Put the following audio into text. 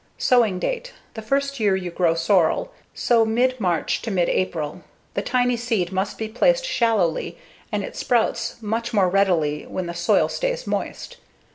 Sowing date: The first year you grow sorrel, sow mid March to mid April. The tiny seed must be placed shallowly, and it sprouts much more readily when the soil stays moist.